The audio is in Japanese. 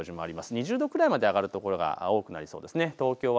２０度くらいまで上がる所が多くなりそうですね。